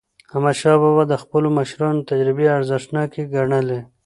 احمدشاه بابا د خپلو مشرانو تجربې ارزښتناکې ګڼلې.